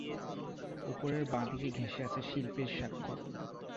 উপরে বাঁ দিক ঘেঁষে আছে শিল্পীর স্বাক্ষর।